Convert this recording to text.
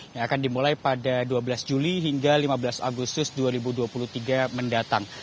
yang akan dimulai pada dua belas juli hingga lima belas agustus dua ribu dua puluh tiga mendatang